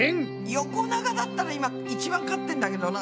横長だったら今一番勝ってんだけどな。